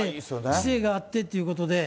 知性があってということで。